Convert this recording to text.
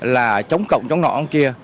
là chống cộng chống nọ ông kia